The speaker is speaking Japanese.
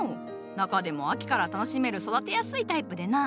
中でも秋から楽しめる育てやすいタイプでな。